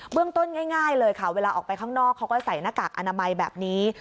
เรื่องต้นง่ายเลยค่ะเวลาออกไปข้างนอกเขาก็ใส่หน้ากากอนามัยแบบนี้